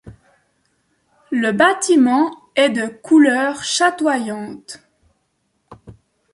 Le bâtiment est de couleurs chatoyantes.